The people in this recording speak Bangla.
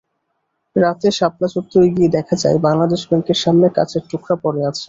রাতে শাপলা চত্বরে গিয়ে দেখা যায়, বাংলাদেশ ব্যাংকের সামনে কাচের টুকরা পড়ে আছে।